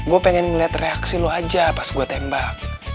gua pengen ngeliat reaksi lo aja pas gua tembak